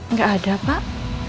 nggak ada pak